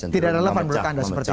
tidak relevan menurut anda seperti itu